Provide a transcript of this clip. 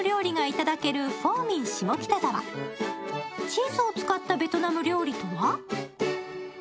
チーズを使ったベトナム料理とは？